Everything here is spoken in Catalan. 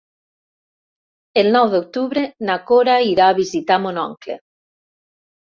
El nou d'octubre na Cora irà a visitar mon oncle.